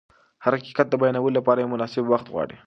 هر حقیقت د بیانولو لپاره یو مناسب وخت غواړي.